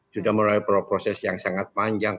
sudah melalui proses yang sangat panjang